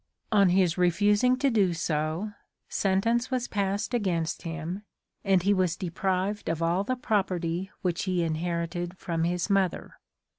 On his refusing to do so, " sentence was passed against him, and he was deprived of all the property which he in herited from his mother."